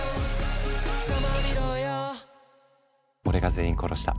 俺が全員殺した。